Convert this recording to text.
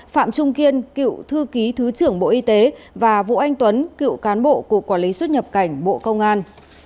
phạm trung kiên cựu thư ký thứ trưởng bộ y tế và vũ anh tuấn cựu cán bộ cục quản lý xuất nhập cảnh bộ công an